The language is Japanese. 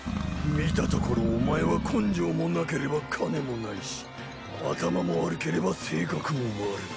見たところお前は根性もなければ金もないし頭も悪ければ性格も悪い。